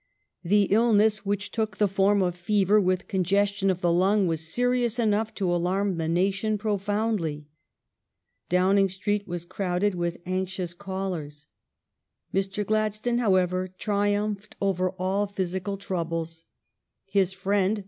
" The illness, which took the form of fever with congestion of the lung, was serious enough to alarm the na tion profoundly. Downing Street was crowded with anxious callers." Mr. Gladstone, how ever, triumphed over all physical troubles. His friend.